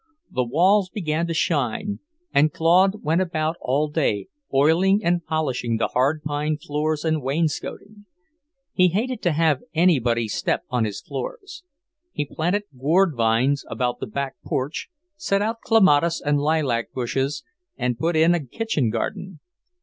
The walls began to shine, and Claude went about all day, oiling and polishing the hard pine floors and wainscoting. He hated to have anybody step on his floors. He planted gourd vines about the back porch, set out clematis and lilac bushes, and put in a kitchen garden.